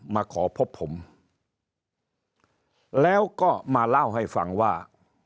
มาขอพบผมแล้วก็มาเล่าให้ฟังว่า